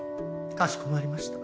かしこまりました。